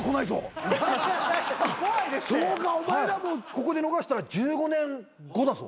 ここで逃したら１５年後だぞ。